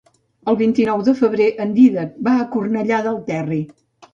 El vint-i-nou de febrer en Dídac va a Cornellà del Terri.